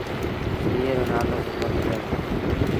ايئي رو نآلو با ڪونهي رهي۔